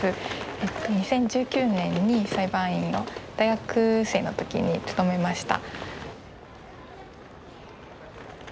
２０１９年に裁判員を大学生の時に務めました。